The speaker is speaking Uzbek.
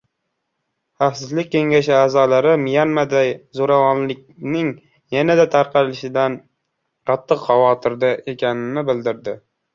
Xavfsizlik kengashi a’zolari Myanmada zo‘ravonlikning yanada tarqalishidan qattiq xavotirda ekanini bildirgan